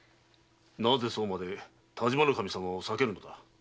なぜそうまで但馬守様を避けるのだ？